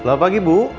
selamat pagi bu